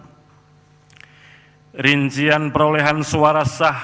dua pemilihan perolehan suara sah